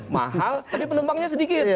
mahal tapi penumpangnya sedikit